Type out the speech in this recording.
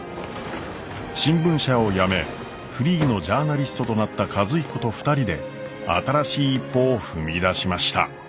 新聞社を辞めフリーのジャーナリストとなった和彦と２人で新しい一歩を踏み出しました。